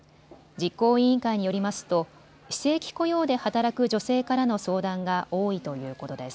実行委員会によりますと非正規雇用で働く女性からの相談が多いということです。